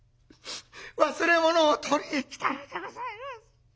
忘れ物を取りに来たのでございます。